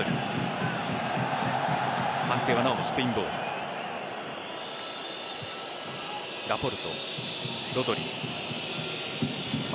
判定はなおもスペインボール。